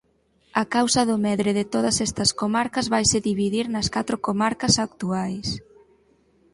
A causa do medre de todas estas comarcas vaise dividir nas catro comarcas actuais.